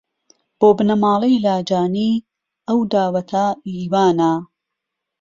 بۆ بنەماڵەی لاجانی ئەو داوەتە ئی وانە